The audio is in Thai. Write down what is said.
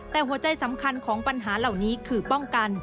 แต่หัวใจสำคัญของปัญหาเหล่านี้คือป้องกัน